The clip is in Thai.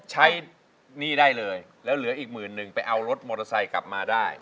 ใช้นี่ได้เลยแล้วเหลืออีก๑๐๐๐๐ไปเอารถมอเตอร์ไซค์กลับมาได้